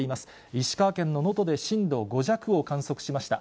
石川県の能登で震度５弱を観測しました。